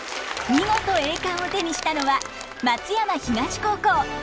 見事栄冠を手にしたのは松山東高校。